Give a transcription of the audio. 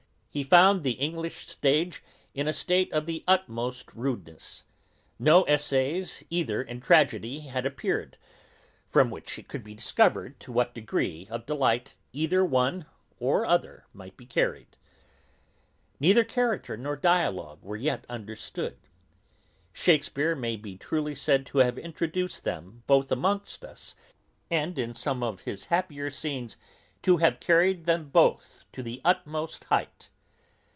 He found the English stage in a state of the utmost rudeness; no essays either in tragedy or comedy had appeared, from which it could be discovered to what degree of delight either one or other might be carried. Neither character nor dialogue were yet understood. Shakespeare may be truly said to have introduced them both amongst us, and in some of his happier scenes to have carried them both to the utmost height.